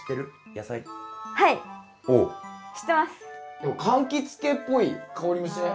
でもかんきつ系っぽい香りもしない？